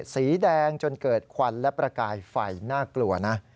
สีแดงจนเกิดควันและประกายไฟน่ากลัวนะ